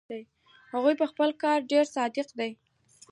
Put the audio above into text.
هغه پهخپل کار کې ډېر صادق دی.